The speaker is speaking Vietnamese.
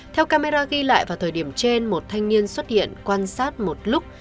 theo camera ghi lại vào thời điểm trên một thanh niên xuất hiện quan sát một lúc